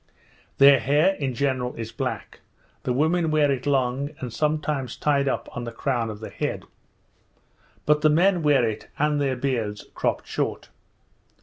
Their hair in general is black; the women wear it long, and sometimes tied up on the crown of the head; but the men wear it, and their beards, cropped short.